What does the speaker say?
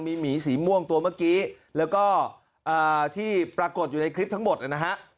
มีหมีสีม่วงตัวเมื่อกี้แล้วก็ที่ปรากฏอยู่ในคลิปทั้งหมดนะฮะ